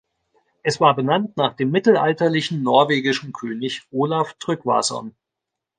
Es war benannt nach dem mittelalterlichen norwegischen König Olav Tryggvason.